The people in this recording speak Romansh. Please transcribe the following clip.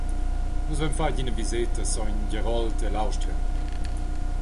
Nus havein fatg ina viseta a Sogn Gerold ella Austria.